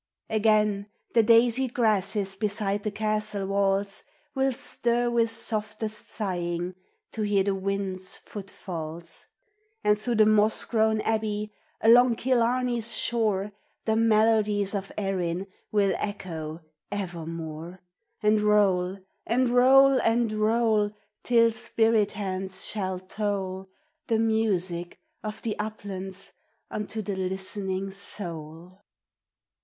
Again the daisied grasses beside the castle walls Will stir with softest sighing, to hear the wind's footfalls; And through the moss grown abbey, along Killarney's shore, The melodies of Erin will echo evermore, And roll and roll and roll, Till spirit hands shall toll The music of the uplands unto the listening soul.